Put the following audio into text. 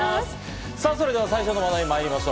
さあ、それでは最初の話題まいりましょう。